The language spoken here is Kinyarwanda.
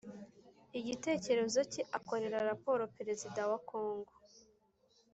igitekerezo cye akorera raporo Perezida wa kongo